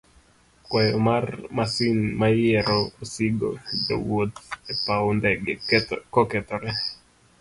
kwayo mar masin mayiero osigo, jowuoth e paw ndege kokethore.